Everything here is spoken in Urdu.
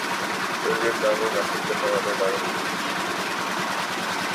کچھ تربیت قانون نافذ کرنے والے اداروں کی ہو۔